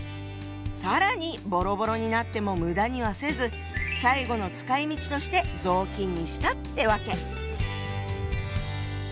更にボロボロになっても無駄にはせず最後の使いみちとして雑巾にしたってわけ。